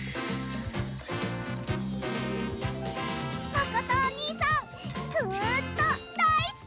まことおにいさんずっとだいすき！